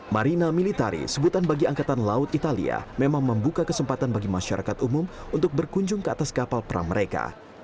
marina militari sebutan bagi angkatan laut italia memang membuka kesempatan bagi masyarakat umum untuk berkunjung ke atas kapal perang mereka